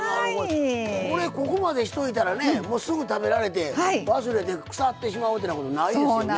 ここまでしといたらねすぐ食べられて忘れて腐ってしまうってことないですよね。